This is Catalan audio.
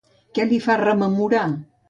Què li fa rememorar?